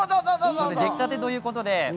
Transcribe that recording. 出来たてということで。